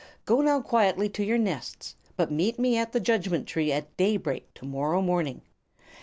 Go now quietly to your nests; but meet me at the Judgment Tree at daybreak to morrow morning.